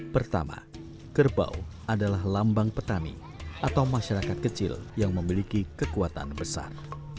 pertama kerbau adalah lambang petani atau masyarakat kecil yang memiliki kekuatan besar